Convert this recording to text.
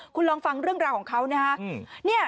คุณลองฟังเรื่องราวของเขานะฮะ